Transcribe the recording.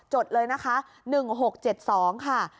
ดเลยนะคะ๑๖๗๒ค่ะ